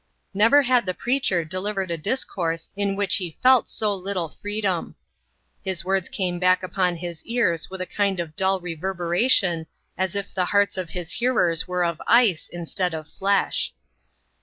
Never had the preacher delivered a discourse in which he felt so little freedom. His words came back upon his ears with a kind of a dull reverberation, as if the hearts of his hearers were of ice, instead of flesh.